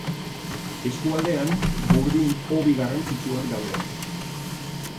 Eskualdean burdin hobi garrantzitsuak daude.